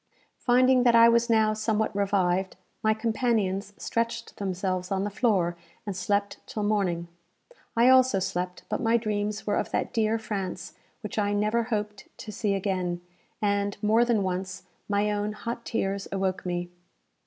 Finding that I was now somewhat revived, my companions stretched themselves on the floor, and slept till morning. I also slept; but my dreams were of that dear France which I never hoped to see again, and, more than once, my own hot tears awoke me.